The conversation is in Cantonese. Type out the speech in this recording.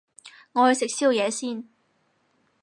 我去食宵夜先